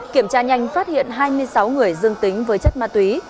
kiểm tra nhanh phát hiện hai mươi sáu người dương tính với chất ma túy